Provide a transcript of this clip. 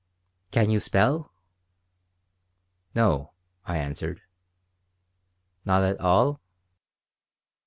"Can you spell?" "No," I answered. "Not at all?"